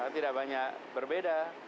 tidak banyak berbeda